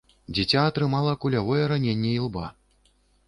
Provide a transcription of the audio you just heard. Дзіця атрымала кулявое раненне ілба.